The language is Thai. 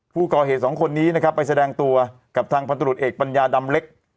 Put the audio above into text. ผู้ก่อเหตุสองคนนี้นะครับไปแสดงตัวกับทางพันธุรกิจเอกปัญญาดำเล็ก